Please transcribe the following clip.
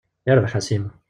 Yarbaḥ a Sima!